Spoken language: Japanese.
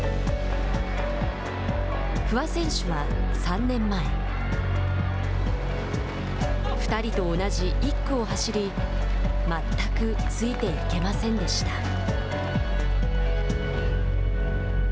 不破選手は３年前２人と同じ１区を走り全くついていけませんでした。